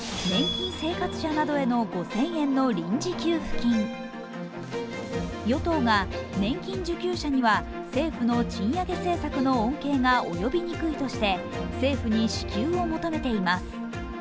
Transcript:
年金生活者などへの５０００円の臨時給付金与党が年金受給者には政府の賃上げ政策の恩恵が及びにくいとして政府に支給を求めています。